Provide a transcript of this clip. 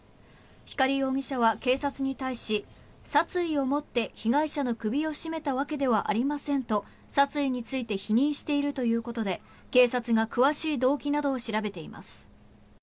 光容疑者は警察に対し殺意をもって被害者の首を絞めたわけではありませんと殺意について否認しているということで警察が詳しい動機などを調べています。